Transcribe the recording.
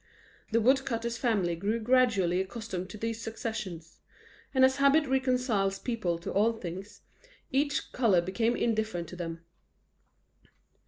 The woodcutter's family grew gradually accustomed to these successions; and as habit reconciles people to all things, each colour became indifferent to them.